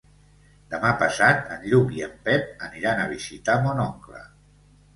Demà passat en Lluc i en Pep aniran a visitar mon oncle.